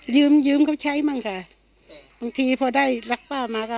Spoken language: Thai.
ยืมยืมเขาใช้มั่งค่ะบางทีพอได้รักป้ามาก็